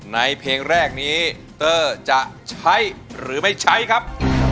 เพลงแรกนี้เตอร์จะใช้หรือไม่ใช้ครับ